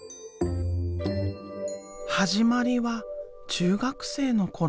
始まりは中学生の頃。